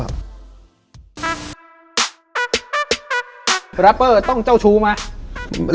รัปเปอร์ต้องเจ้าชู้มั้ย